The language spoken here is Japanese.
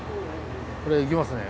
これ行きますね。